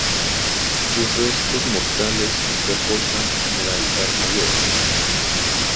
Sus restos mortales reposan en el altar mayor.